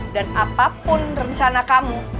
dan apapun rencana kamu